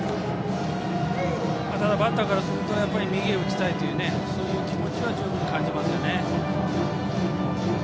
ただ、バッターからすると右へ打ちたいというそういう気持ちは感じますよね。